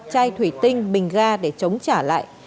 chai thủy tinh bình ga để chống trả lại